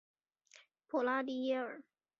普拉迪耶尔。